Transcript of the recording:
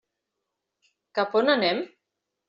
Cap a on anem?